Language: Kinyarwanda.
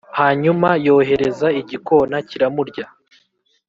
Hanyuma yohereza igikona kiramurya